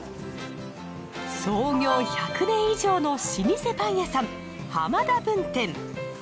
創業１００年以上の老舗パン屋さんはまだぶんてん。